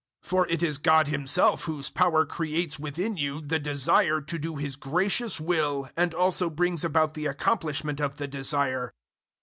002:013 For it is God Himself whose power creates within you the desire to do His gracious will and also brings about the accomplishment of the desire.